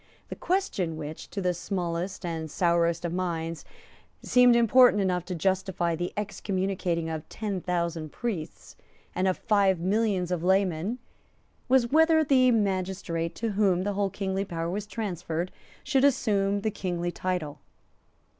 The question which, to this smallest and sourest of minds, seemed important enough to justify the excommunicating of ten thousand priests and of five millions of laymen was, whether the magistrate to whom the whole kingly power was transferred should assume the kingly title.